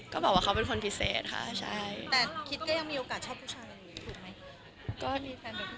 ก็บอกว่าเขาเป็นคนพิเศษค่ะใช่